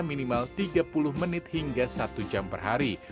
minimal tiga puluh menit hingga satu jam per hari